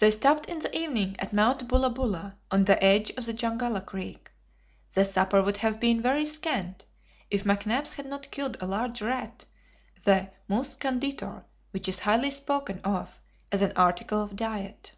They stopped in the evening at Mount Bulla Bulla, on the edge of the Jungalla Creek. The supper would have been very scant, if McNabbs had not killed a large rat, the mus conditor, which is highly spoken of as an article of diet.